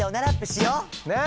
ねえ。